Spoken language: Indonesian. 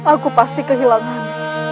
aku pasti kehilangan